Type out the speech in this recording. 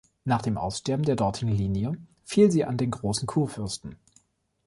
Nach dem Aussterben der dortigen Linie fiel sie an den Großen Kurfürsten.